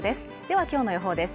は今日の予報です。